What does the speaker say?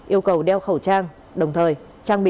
yêu cầu đeo khẩu trang